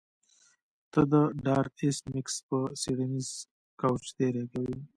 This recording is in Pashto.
ته د ډارت ایس میکس په څیړنیز کوچ تیری کوې